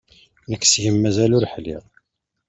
Nekk seg-m mazal ur ḥliɣ.